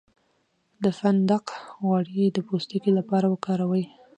د فندق غوړي د پوستکي لپاره وکاروئ